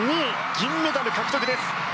銀メダル獲得です。